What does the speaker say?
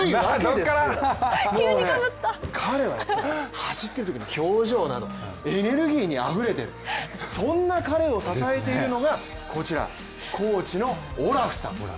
もうね、彼は走っているときの表情など、エネルギーにあふれている、そんな彼を支えているのがこちら、コーチのオラフさん。